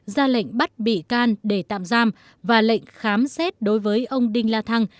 ra lệnh bắt bị can để tạm giam và lệnh khám xét đối với ông đinh la thăng